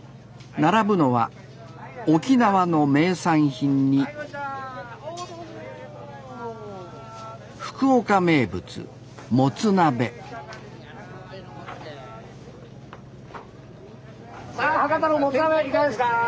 並ぶのは沖縄の名産品に福岡名物もつ鍋さあ博多のもつ鍋いかがですか！